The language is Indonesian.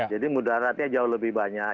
jadi mudaratnya jauh lebih banyak